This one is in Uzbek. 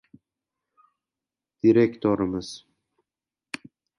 direktorimiz.